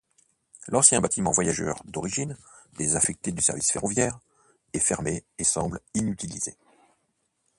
L'ancien bâtiment voyageurs d'origine, désaffecté du service ferroviaire, est fermé et semble inutilisé.